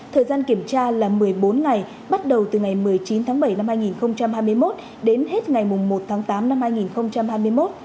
thời gian kiểm tra là một mươi bốn ngày bắt đầu từ ngày một mươi chín tháng bảy năm hai nghìn hai mươi một đến hết ngày một tháng tám năm hai nghìn hai mươi một